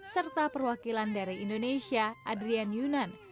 serta perwakilan dari indonesia adrian yunan